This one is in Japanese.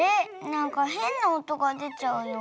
なんかへんなおとがでちゃうよ。